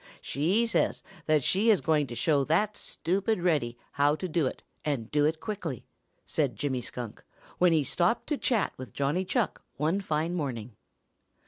She says that she is going to show that stupid Reddy how to do it and do it quickly," said Jimmy Skunk, when he stopped to chat with Johnny Chuck one fine morning.